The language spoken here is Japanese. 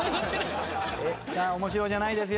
さあ面白じゃないですよ。